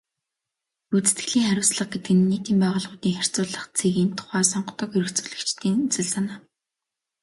Гүйцэтгэлийн хариуцлага гэдэг нь нийтийн байгууллагуудын харьцуулах цэгийн тухай сонгодог эргэцүүлэгчдийн үзэл санаа.